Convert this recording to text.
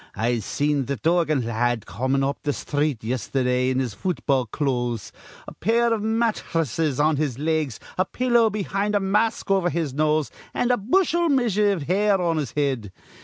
I seen th' Dorgan la ad comin' up th' sthreet yesterdah in his futball clothes, a pair iv matthresses on his legs, a pillow behind, a mask over his nose, an' a bushel measure iv hair on his head.